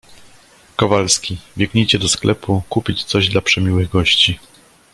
Kowalski, biegnijcie do sklepu kupić coś dla przemiłych gości!